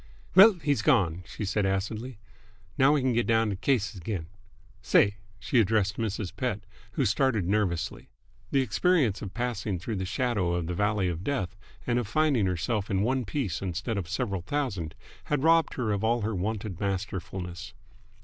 "Well, he's gone!" she said acidly. "Now we can get down t' cases again. Say!" She addressed Mrs. Pett, who started nervously. The experience of passing through the shadow of the valley of death and of finding herself in one piece instead of several thousand had robbed her of all her wonted masterfulness.